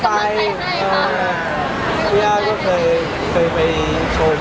ปางปองมาอ่ะคะแบบแล้วพี่ไอ้คะ